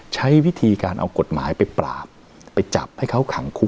ใช้วิธีการเอากฎหมายไปปราบไปจับให้เขาขังคุก